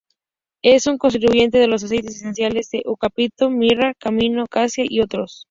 Es un constituyente de los aceites esenciales de eucalipto, mirra, comino, cassia y otros.